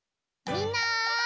みんな！